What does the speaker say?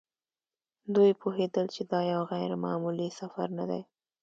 دوی پوهېدل چې دا یو غیر معمولي سفر نه دی.